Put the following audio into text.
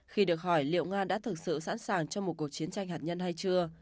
khi được hỏi liệu nga đã thực sự sẵn sàng cho một cuộc chiến tranh hạt nhân hay chưa